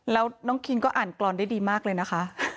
แล้วน้องคิงก็อ่านกรอนได้ดีมากเลยนะคะ